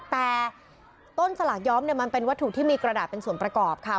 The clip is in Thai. แต่ต้นสลากย้อมเนี่ยมันเป็นวัตถุที่มีกระดาษเป็นส่วนประกอบค่ะ